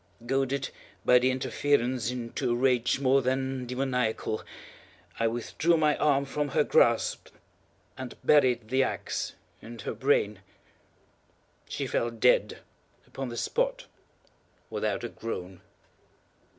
Goaded, by the interference, into a rage more than demoniacal, I withdrew my arm from her grasp and buried the axe in her brain. She fell dead upon the spot, without a groan.